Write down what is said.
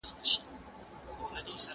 ماشوم به ژر پرمختګ وکړي.